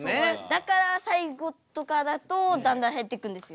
だから最後とかだとだんだん減ってくるんですよ。